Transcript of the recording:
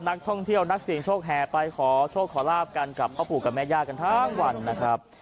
นักท่องเที่ยวนักเสียงโชคแห่ไปขอโชคขอลาบกันกับพ่อปู่กับแม่ย่ากันทั้งวันนะครับ